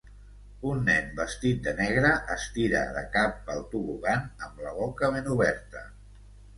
Un nen vestit de negre es tira de cap pel tobogan amb la boca ben oberta.